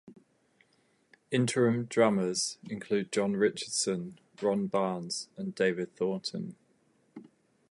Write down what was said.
Interim drummers included John Richardson, Ron Barnes, and David Thornton.